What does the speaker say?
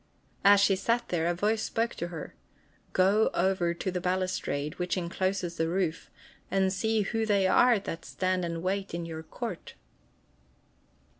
As she sat there, a voice spoke to her: "Go over to the balustrade which incloses the roof, and see who they are that stand and wait in your court!"